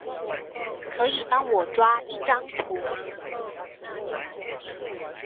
可以幫我抓一張圖嗎？